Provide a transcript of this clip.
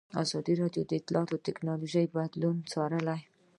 ازادي راډیو د اطلاعاتی تکنالوژي بدلونونه څارلي.